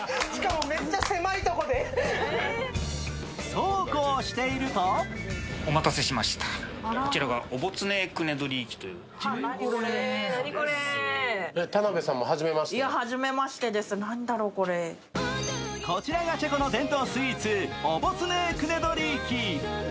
そうこうしているとこちらがチェコの伝統スイーツオボツネー・クネドリーキ。